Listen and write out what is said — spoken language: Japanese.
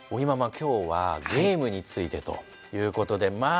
今日は「ゲーム」についてということでまあ